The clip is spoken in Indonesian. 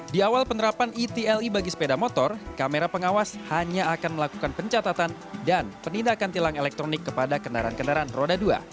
di awal penerapan etli bagi sepeda motor kamera pengawas hanya akan melakukan pencatatan dan penindakan tilang elektronik kepada kendaraan kendaraan roda dua